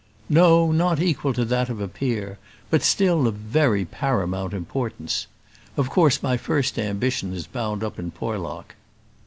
"No, not equal to that of a peer; but still of very paramount importance. Of course my first ambition is bound up in Porlock."